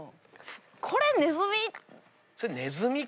これネズミ。